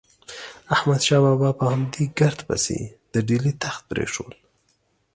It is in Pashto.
احمد شاه بابا په همدې ګرد پسې د ډیلي تخت پرېښود.